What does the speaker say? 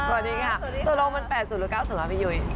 สวัสดีนะคะสลมมัน๘๐หรือ๙๐ค่ะพี่ยุ้ย